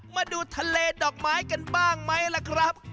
มาดูทะเลดอกไม้กันบ้างไหมล่ะครับ